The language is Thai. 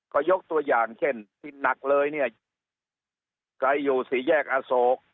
ก็ยกตัวอย่างเช่นที่หนักเลยเนี่ยใครอยู่สี่แยกอโศก